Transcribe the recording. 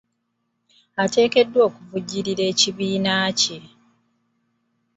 Ateekeddwa okuvujjirira ekibanja kye.